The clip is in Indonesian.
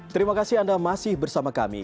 terima kasih anda masih bersama kami